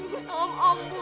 dengan om om bu